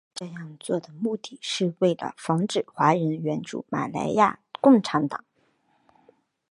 这样做的目的是为了防止华人援助马来亚共产党。